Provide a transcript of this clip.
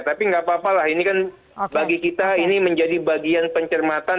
tapi nggak apa apa lah ini kan bagi kita ini menjadi bagian pencermatan